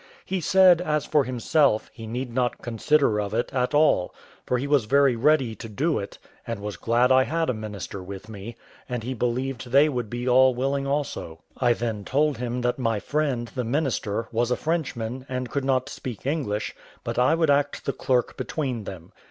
He said, as for himself, he need not consider of it at all, for he was very ready to do it, and was glad I had a minister with me, and he believed they would be all willing also. I then told him that my friend, the minister, was a Frenchman, and could not speak English, but I would act the clerk between them.